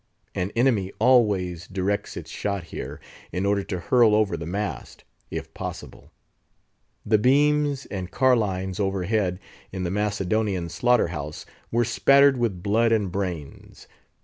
An enemy always directs its shot here, in order to hurl over the mast, if possible. The beams and carlines overhead in the Macedonian slaughter house were spattered with blood and brains.